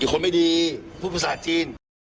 อีคนไม่ดีผู้ปฏิเสธจีน